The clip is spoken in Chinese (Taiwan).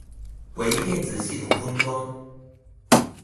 微電子系統封裝